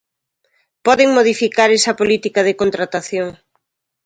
Poden modificar esa política de contratación.